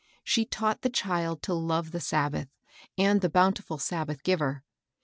She taught the child to love the Sabbath, and the bountiful Sabbath Giver.